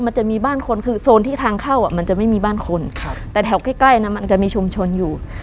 มันจะมีบ้านคนคือโซนที่ทางเข้าอ่ะมันจะไม่มีบ้านคนครับแต่แถวใกล้ใกล้นะมันจะมีชุมชนอยู่